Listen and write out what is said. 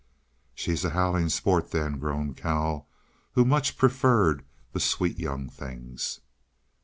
"She's a howling sport, then!" groaned Cal, who much preferred the Sweet Young Things.